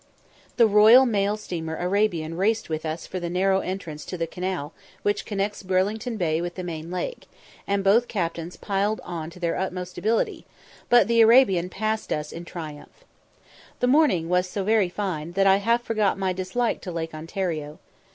The royal mail steamer Arabian raced with us for the narrow entrance to the canal which connects Burlington Bay with the main lake, and both captains "piled on" to their utmost ability, but the Arabian passed us in triumph. The morning was so very fine, that I half forgot my dislike to Lake Ontario.